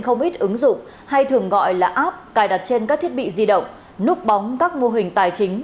không ít ứng dụng hay thường gọi là app cài đặt trên các thiết bị di động núp bóng các mô hình tài chính